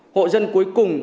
hộ dân cuối cùng